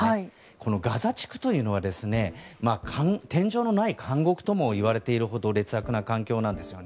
このガザ地区というのは天井のない監獄ともいわれているほど劣悪な環境なんです。